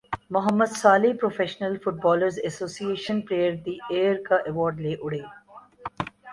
Muhammad Salah professional footballers association player the year کا award لے اڑے